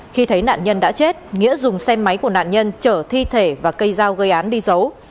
khi thấy nạn nhân đã chết nghĩa dùng xe máy của nạn nhân trở thi thể và cây dao gây án đi giấu